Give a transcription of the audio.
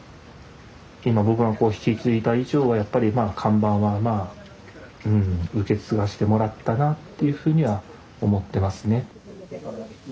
今僕が引き継いだ以上はやっぱりまあ看板は受け継がしてもらったなっていうふうには思ってますね。